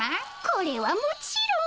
これはもちろん？